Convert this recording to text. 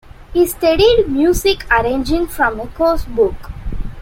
He studied music arranging from a course book.